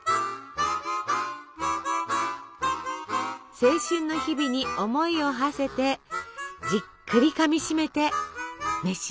青春の日々に思いをはせてじっくりかみしめて召し上がれ。